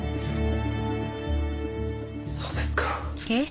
そうですか。